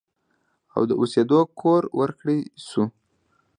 او د اوسېدو کور ورکړی شو